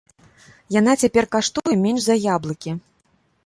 Яна цяпер каштуе менш за яблыкі!